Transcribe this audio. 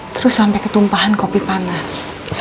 terus sampai ketumpahan kopi panas